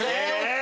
え！